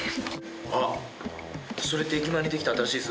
あっそれって駅前にできた新しいスーパー？